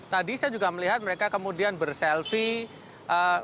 tadi saya juga melihat mereka kemudian berselfie